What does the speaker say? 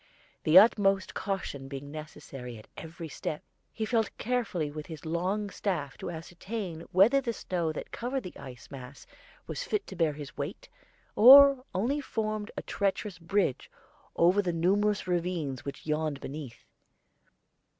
The utmost caution being necessary at every step, he felt carefully with his long staff to ascertain whether the snow that covered the icy mass was fit to bear his weight, or only formed a treacherous bridge over the numerous ravines which yawned beneath.